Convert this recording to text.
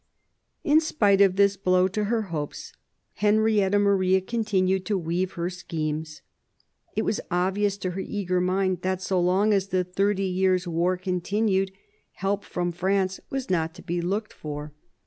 In spite of this blow to her hopes, Henrietta Maria continued to weave her schemes. It was obvious to her eager mind that so long as the Thirty Years' War continued help from France was not to be looked for.